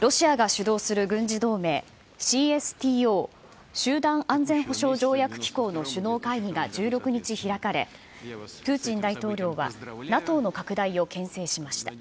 ロシアが主導する軍事同盟、ＣＳＴＯ・集団安全保障条約機構の首脳会議が１６日開かれ、プーチン大統領は、ＮＡＴＯの拡大をけん制しました。